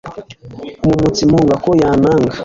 umumotsi mpunga ko yantanga